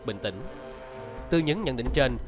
bình tĩnh từ những nhận định trên